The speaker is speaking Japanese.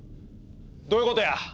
どういうことや？